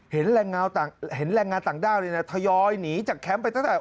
เห็นแรงงานต่างด้าวเลยนะทยอยหนีจากแคมป์ไปตั้งแต่